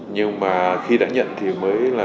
nhưng mà khi đã nhận thì mới là